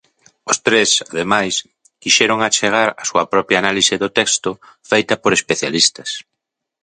Os tres, ademais, quixeron achegar a súa propia análise do texto feita por especialistas.